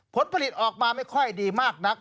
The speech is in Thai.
ผลผลิตออกมาไม่ค่อยดีมากนัก